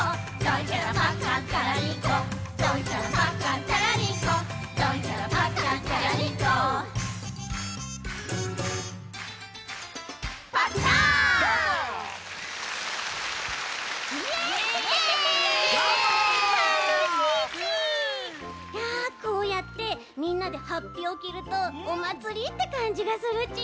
いやこうやってみんなではっぴをきるとおまつりってかんじがするち。